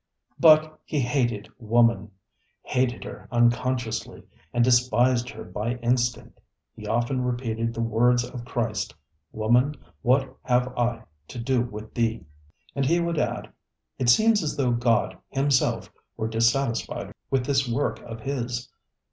But he hated womanŌĆöhated her unconsciously, and despised her by instinct. He often repeated the words of Christ: ŌĆ£Woman, what have I to do with thee? ŌĆØ and he would add: ŌĆ£It seems as though God, Himself, were dissatisfied with this work of His.